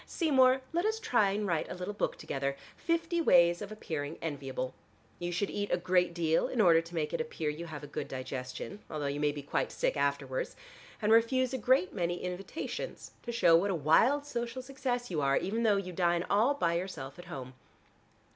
Seymour, let us try and write a little book together, 'Fifty ways of appearing enviable.' You should eat a great deal in order to make it appear you have a good digestion, although you may be quite sick afterwards, and refuse a great many invitations to show what a wild social success you are, even though you dine all by yourself at home.